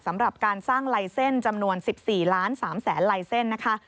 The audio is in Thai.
สำหรับการสร้างไล่เส้นจำนวน๑๔๓๐๐๐๐๐ไล่เส้นนะคะ